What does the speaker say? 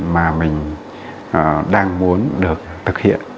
mà mình đang muốn được thực hiện